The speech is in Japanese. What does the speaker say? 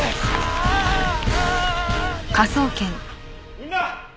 みんな！